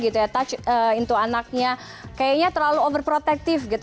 touch into anaknya kayaknya terlalu overprotective